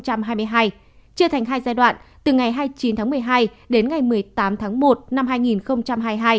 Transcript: chia thành hai giai đoạn từ ngày hai mươi chín tháng một mươi hai đến ngày một mươi tám tháng một năm hai nghìn hai mươi hai